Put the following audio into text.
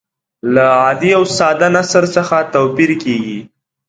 له عادي او ساده نثر څخه توپیر کیږي.